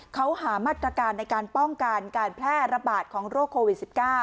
เขาหามาตรการในการป้องกันการแพร่ระบาดของโรคโควิด๑๙